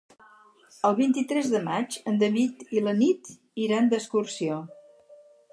El vint-i-tres de maig en David i na Nit iran d'excursió.